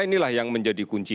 inilah yang menjadi kunci